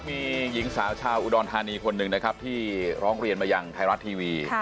มีหญิงสาวชาวอุดรธานีคนหนึ่งนะครับที่ร้องเรียนมาอย่างไทยรัฐทีวี